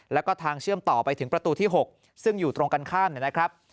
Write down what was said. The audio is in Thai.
แล้วก็ทางเชื่อมต่อไปถึงประตูที่๖ซึ่งอยู่ตรงกันข้ามนะครับ